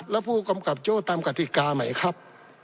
แล้วผู้กำกับโจ้ตามกติกาใหม่ครับ